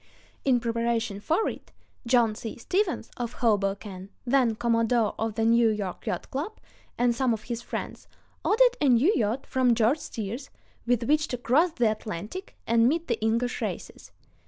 In preparation for it, John C. Stevens, of Hoboken, then Commodore of the New York Yacht Club, and some of his friends, ordered a new yacht from George Steers with which to cross the Atlantic and meet the English racers.